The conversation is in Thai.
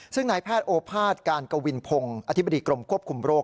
ซึ่งนายแพทย์โอภาษย์การกวินพงศ์อธิบดีกรมควบคุมโรค